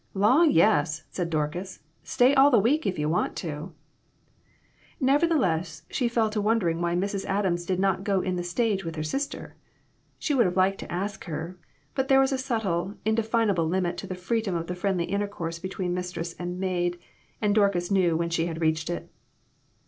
"Law, yes!" said Dorcas; "stay all the week if you want to." Nevertheless, she fell to wondering why Mrs. Adams did not go in the stage with her sister. She would have liked to ask her, but there was a subtile, indefinable limit to the freedom of the friendly intercourse between mistress and maid, and Dorcas knew when she had reached it.